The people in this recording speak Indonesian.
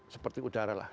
seperti udara lah